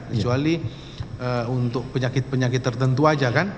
kecuali untuk penyakit penyakit tertentu aja kan